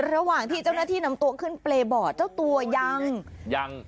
ระหว่างที่เจ้าหน้าที่นำตัวขึ้นเปรย์บอร์ดเจ้าตัวยังยัง